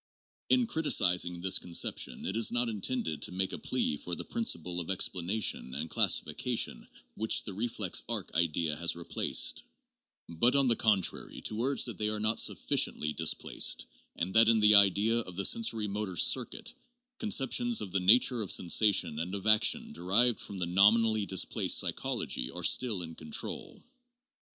In criticising this conception it is not intended to make a plea for the principles of explanation and classification which the re flex arc idea has replaced ; but, on the contrary, to urge that they are not sufficiently displaced, and that in the idea of the sensori motor circuit, conceptions of the nature of sensation and of action derived from the nominally displaced psychology are still in control.